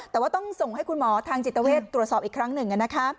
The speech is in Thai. แต่ว่าต้องส่งให้คุณหมอทางจิตเวทตรวจสอบอีกครั้งหนึ่ง